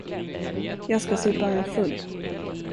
Jag skall supa mig full.